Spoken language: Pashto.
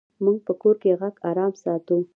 موږ په کور کې غږ آرام ساتو.